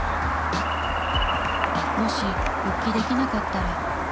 もし復帰できなかったら。